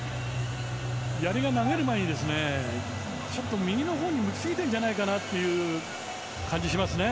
やりが投げる前に右のほうに向きすぎてるんじゃないかという感じがしますね。